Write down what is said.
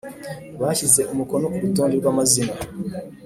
bashyize umukono ku rutonde rw amazina